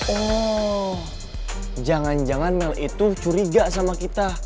oh jangan jangan mel itu curiga sama kita